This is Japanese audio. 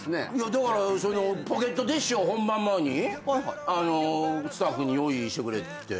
だからポケットティッシュを本番前にスタッフに用意してくれっつって。